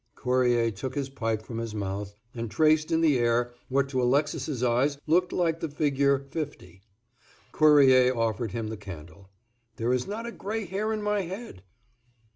Cuerrier took his pipe from his mouth and traced in the air what to Alexis's eyes looked like the figure fifty. Cuerrier offered him the candle. "There is not a gray hair in my head."